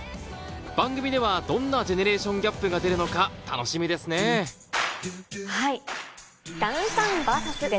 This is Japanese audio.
番組ではどんなジェネレーションギャップが出るのか楽しみですねはい。